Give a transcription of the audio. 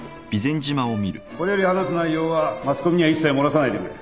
これより話す内容はマスコミには一切もらさないでくれ。